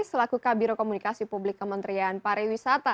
selaku kabiro komunikasi publik kementerian pariwisata